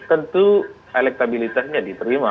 tentu elektabilitasnya diterima